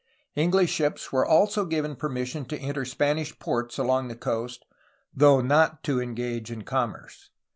English ships were also given permission to enter Spanish ports along that coast, though not to engage in commerce.